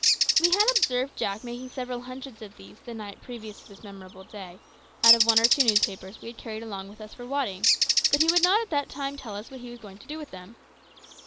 We had observed Jack making several hundreds of these, the night previous to this memorable day, out of one or two newspapers we had carried along with us for wadding; but he would not at that time tell us what he was going to do with them.